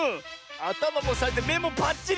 あたまもさえてめもパッチリ！